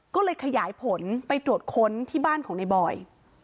ก็เลยขยายผลไปตรวจค้นที่บ้านของในบอย